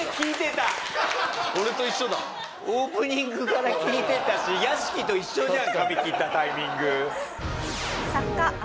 オープニングから聞いてたし屋敷と一緒じゃん髪切ったタイミング。